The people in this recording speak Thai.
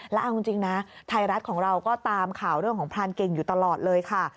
แล้วเอาจริงนะไทยรัฐของเราก็ตามข่าวเรื่องของพรานเก่งอยู่ตลอดเลยค่ะ